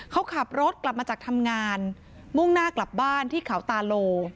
เขาขับรถกลับมาจากทำงานมุ่งหน้ากลับบ้านที่เขาตาโล